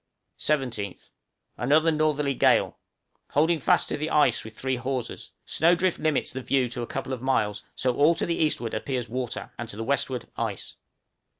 17th. Another northerly gale; holding fast to the ice with three hawsers; snow drift limits the view to a couple of miles, so all to the eastward appears water, and to the westward ice.